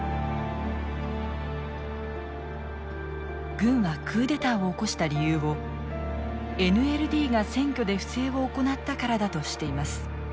軍はクーデターを起こした理由をＮＬＤが選挙で不正を行ったからだとしています。